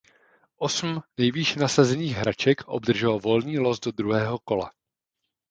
Osm nejvýše nasazených hráček obdrželo volný los do druhého kola.